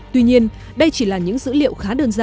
tuy nhiên đây chỉ là những dữ liệu khá đơn giản